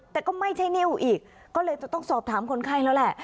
แต่ก็ไม่ใช่นิ้วอีกก็เลยจะต้องสอบถามคนไข้แล้วแหละ